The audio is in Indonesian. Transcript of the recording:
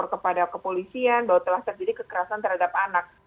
kepada kepolisian bahwa telah terjadi kekerasan terhadap anak